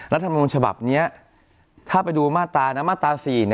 นัฐมมุลฉบับนี้ถ้าไปดูมาตรา๔